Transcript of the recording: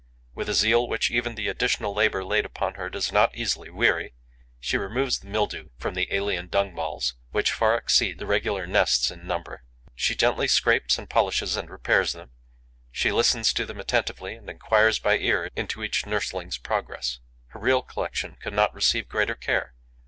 With a zeal which even the additional labour laid upon her does not easily weary, she removes the mildew from the alien dung balls, which far exceed the regular nests in number; she gently scrapes and polishes and repairs them; she listens to them attentively and enquires by ear into each nursling's progress. Her real collection could not receive greater care.